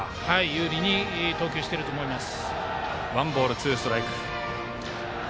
有利に投球していると思います。